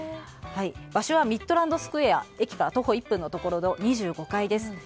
場所はミッドランドスクエア駅から徒歩１分のところの２５階です。